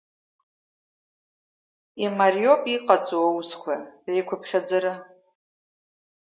Имариоуп иҟаҵоу аусқәа реиқәыԥхьаӡара.